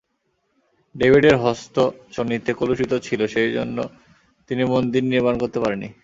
ডেভিডের হস্ত শোণিতে কলুষিত ছিল, সেই জন্য তিনি মন্দির নির্মাণ করতে পারেননি।